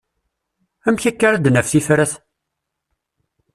Amek akka ara d-naf tifrat?